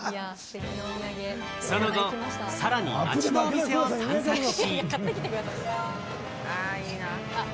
その後、さらに町のお店を散策し。